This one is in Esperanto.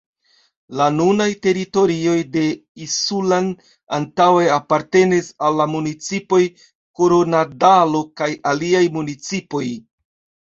La nunaj teritorioj de Isulan antaŭe apartenis al la municipoj Koronadalo kaj aliaj municipoj.